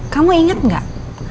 kamu inget gak